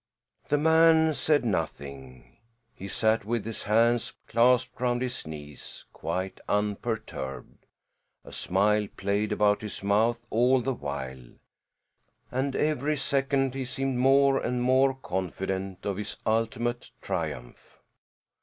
The man said nothing. He sat with his hands clasped round his knees, quite unperturbed. A smile played about his mouth all the while, and every second he seemed more and more confident of his ultimate triumph.